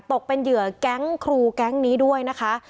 ตกเป็นเหยื่อแก๊งครูแก๊งนี้ด้วยนะคะ